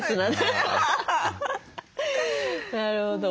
なるほど。